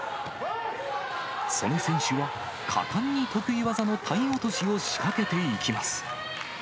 素根選手は、果敢に得意技の体落としを仕掛けていきます。